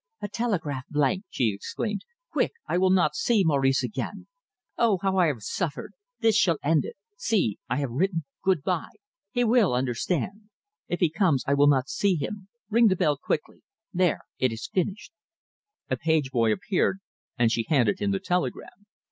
"A telegraph blank!" she exclaimed. "Quick! I will not see Maurice again. Oh, how I have suffered! This shall end it. See, I have written 'Good by!' He will understand. If he comes, I will not see him. Ring the bell quickly. There it is finished!" A page boy appeared, and she handed him the telegram.